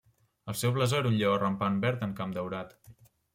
El seu blasó era un lleó rampant verd en camp daurat.